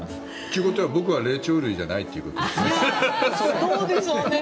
ということは僕は霊長類じゃないということですね。